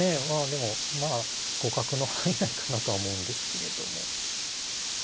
でもまあ互角の範囲内かなとは思うんですけれども。